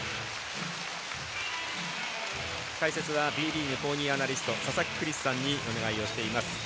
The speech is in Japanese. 解説はＢリーグ公認アナリスト佐々木クリスさんにお願いをしています。